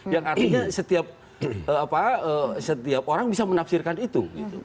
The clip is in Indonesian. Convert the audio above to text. yang artinya setiap orang bisa menafsirkan itu